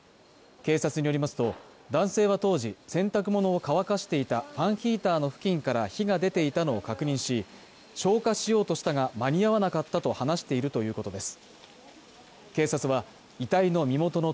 警察によりますと、男性は当時、洗濯物を乾かしていたファンヒーターの付近から火が出ていたのを確認し、消火しようとしたが間に合わなかったと話しているということです。